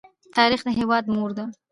تاریخ د هېواد مور ده.